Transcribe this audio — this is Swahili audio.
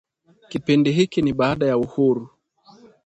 Kipindi hiki ni baada ya uhuru